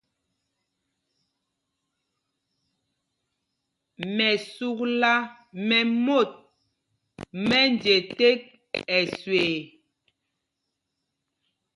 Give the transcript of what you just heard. Mɛsúkla mɛ mot mɛ nje tēk ɛsüee.